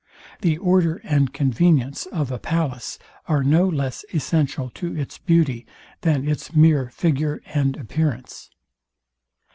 The order and convenience of a palace are no less essential to its beauty, than its mere figure and appearance.